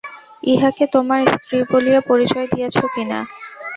ইহাকে তোমার স্ত্রী বলিয়া পরিচয় দিয়াছ কি না?